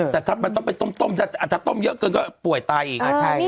แต่ถ้ามันต้องไปต้มอาจจะต้มเยอะเกินก็ป่วยตายอีก